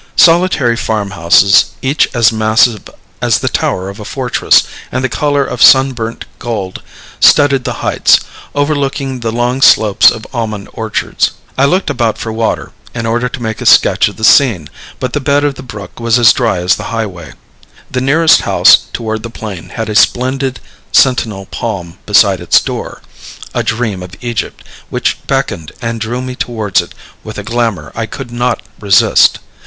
Solitary farm houses, each as massive as the tower of a fortress and of the color of sunburnt gold, studded the heights, overlooking the long slopes of almond orchards. I looked about for water, in order to make a sketch of the scene; but the bed of the brook was as dry as the highway. The nearest house toward the plain had a splendid sentinel palm beside its door, a dream of Egypt, which beckoned and drew me towards it with a glamour I could not resist.